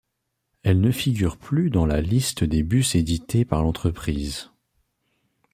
Elles ne figurent plus dans la liste des bus éditée par l'entreprise.